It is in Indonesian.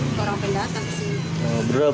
itu orang pendatang sih